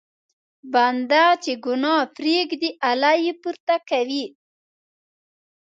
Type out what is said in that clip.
بنده چې ګناه پرېږدي، الله یې پورته کوي.